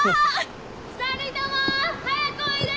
２人とも早くおいで！